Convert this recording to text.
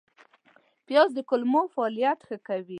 پیاز د کولمو فعالیت ښه کوي